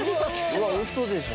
うわウソでしょ。